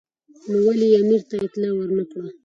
نو ولې یې امیر ته اطلاع ور نه کړه.